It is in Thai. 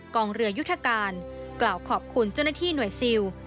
กองเรือยุทธการกล่าวขอบคุณเจ้าหน้าที่หน่วยซิล